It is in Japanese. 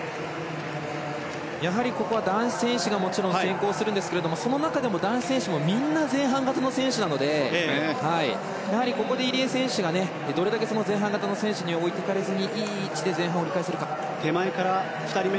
やはり、ここは男子選手がもちろん先行するんですがその中でも男子選手もみんな前半型の選手なのでやはりここで入江選手が前半型の選手に置いていかれずに、いい位置で前半、折り返せるか。